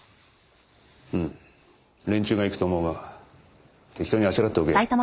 うん連中が行くと思うが適当にあしらっておけ。